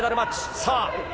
さあ。